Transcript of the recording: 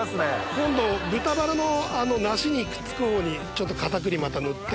今度豚バラの梨にくっつくほうにちょっと片栗また塗って。